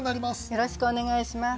よろしくお願いします。